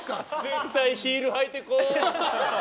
絶対ヒール履いてこう。